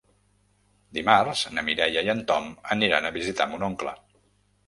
Dimarts na Mireia i en Tom aniran a visitar mon oncle.